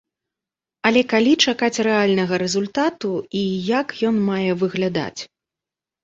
Але калі чакаць рэальнага рэзультату і як ён мае выглядаць?